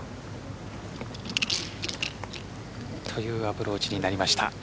というアプローチになりました。